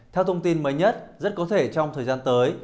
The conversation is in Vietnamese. theo thông tin mới nhất rất có thể trong thời gian tới